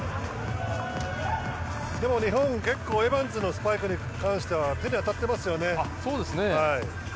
でも日本、結構エバンズのスパイクに関しては手に当たっていますよね。